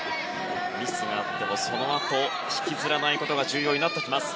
ミスがあってもそのあとを引きずらないことが重要になってきます。